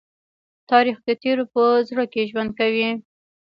تاریخ د تېرو په زړه کې ژوند کوي.